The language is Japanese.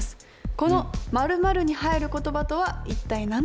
この○○に入る言葉とは一体何でしょう？